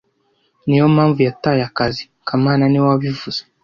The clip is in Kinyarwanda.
Niyo mpamvu yataye akazi kamana niwe wabivuze